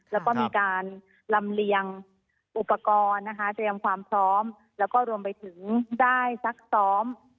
แล้วก็มีการลำเลียงอุปกรณ์นะคะเตรียมความพร้อมแล้วก็รวมไปถึงได้ซักซ้อม